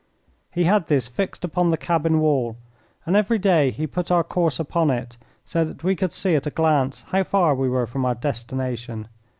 He had this fixed upon the cabin wall, and every day he put our course upon it so that we could see at a glance how far we were from our destination.